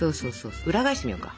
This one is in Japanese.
裏返してみようか。